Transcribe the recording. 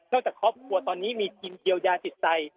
นอกจากครอบครัวตอนนี้มีกินเดียวยาติดใส